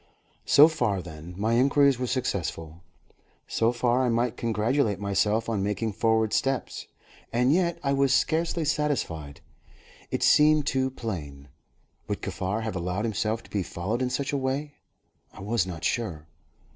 So far, then, my inquiries were successful; so far I might congratulate myself on making forward steps. And yet I was scarcely satisfied. It seemed too plain. Would Kaffar have allowed himself to be followed in such a way? I was not sure.